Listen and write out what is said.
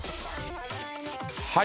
はい。